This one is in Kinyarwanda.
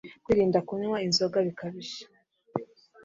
kwirinda kunywa inzoga bikabije